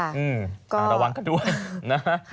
ระวังกันด้วยนะฮะ